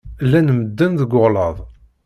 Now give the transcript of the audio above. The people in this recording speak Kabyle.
Llan medden deg uɣlad.